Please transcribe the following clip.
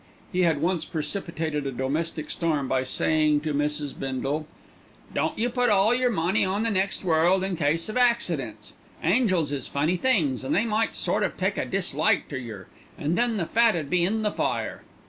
He had once precipitated a domestic storm by saying to Mrs. Bindle: "Don't you put all yer money on the next world, in case of accidents. Angels is funny things, and they might sort of take a dislike to yer, and then the fat 'ud be in the fire."